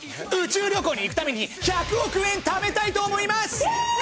宇宙旅行に行くために１００億円貯めたいと思います！